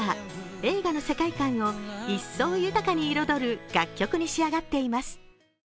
映画の世界観を一層、豊かに彩る楽曲に仕上がっています。